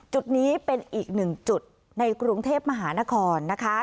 จุดนี้เป็นอีกหนึ่งจุดในกรุงเทพมหานครนะคะ